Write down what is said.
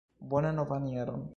Bonan novan jaron!